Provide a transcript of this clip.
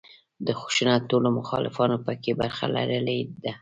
د خشونت ټولو مخالفانو په کې برخه لرلې ده.